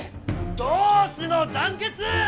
同志の団結！